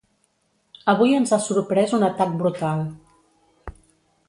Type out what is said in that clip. Avui ens ha sorprès un atac brutal.